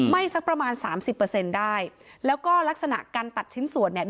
สักประมาณสามสิบเปอร์เซ็นต์ได้แล้วก็ลักษณะการตัดชิ้นส่วนเนี่ย